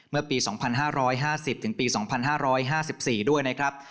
เมื่อปี๒๕๕๐ถึงปี๒๕๕๔ด้วยนะครับ